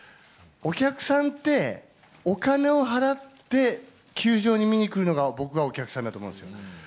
お客さんって、お金を払って球場に見に来るのが、僕はお客さんだと思うんですよね。